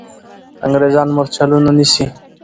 انګریزان مرچلونه نیسي.